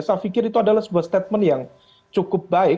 saya pikir itu adalah sebuah statement yang cukup baik